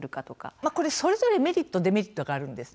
それぞれメリットデメリットがあるんです。